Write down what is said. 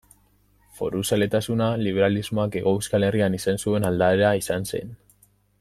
Foruzaletasuna liberalismoak Hego Euskal Herrian izan zuen aldaera izan zen.